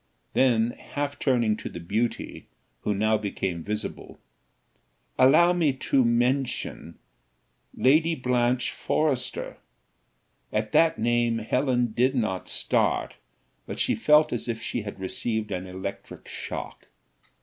Then half turning to the beauty, who now became visible "Allow me to mention Lady Blanche Forrester." At that name Helen did not start, but she felt as if she had received an electric shock.